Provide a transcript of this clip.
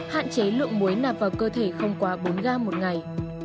hạn chế lượng muối nạp vào cơ thể không quá bốn gram một ngày